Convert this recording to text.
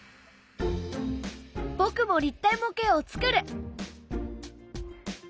僕も立体模型を作る！